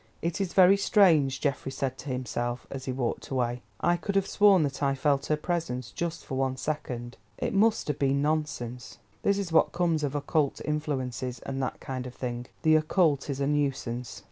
"It is very strange," Geoffrey said to himself, as he walked away. "I could have sworn that I felt her presence just for one second. It must have been nonsense. This is what comes of occult influences, and that kind of thing. The occult is a nuisance."